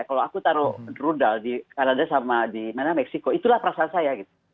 kalau aku taruh rudal di kanada sama di meksiko itulah perasaan saya